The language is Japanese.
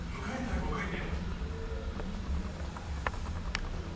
５回目。